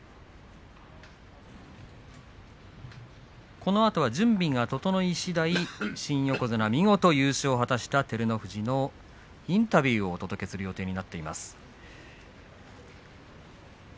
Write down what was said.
このあとは準備が整いしだい新横綱見事優勝を果たした照ノ富士のインタビューをお届けする予定です。